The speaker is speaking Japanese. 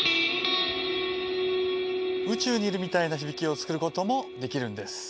宇宙にいるみたいな響きを作ることもできるんです。